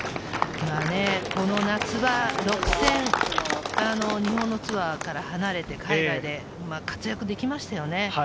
この夏は６戦、日本のツアーから離れて海外で活躍できましたね。